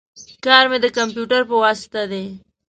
کار می د کمپیوټر په واسطه دی